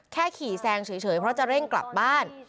แค่ขี่แซงเฉยเพราะจะเร่งกลับบ้าน